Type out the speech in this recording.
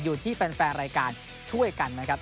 อยู่ที่แฟนรายการช่วยกันนะครับ